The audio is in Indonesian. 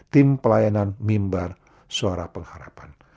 tim pelayanan mimbar suara pengharapan